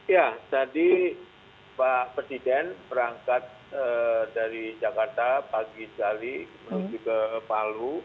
ya tadi pak presiden berangkat dari jakarta pagi sekali menuju ke palu